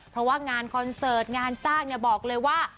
เพราะว่างานคอนเสิร์ตงานสร้างบอกเลยว่า